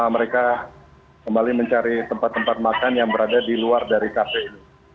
mereka kembali mencari tempat tempat makan yang berada di luar dari kafe ini